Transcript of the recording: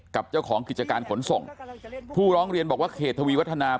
กับเจ้าของกิจการขนส่งผู้ร้องเรียนบอกว่าเขตทวีวัฒนา